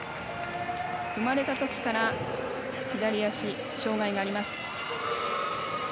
生まれたときから左足に障がいがあります。